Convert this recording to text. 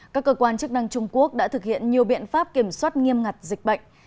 các cơ quan chức năng trung quốc đã thực hiện nhiều biện pháp kiểm soát nghiêm ngặt dịch bệnh